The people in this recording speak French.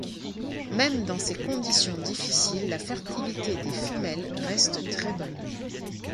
Même dans ces conditions difficiles, la fertilité des femelles reste très bonne.